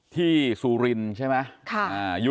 สุรินทร์ใช่ไหม